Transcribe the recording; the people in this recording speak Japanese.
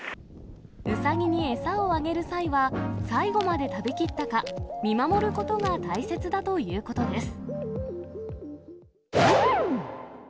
ウサギに餌をあげる際は、最後まで食べきったか見守ることが大切だということです。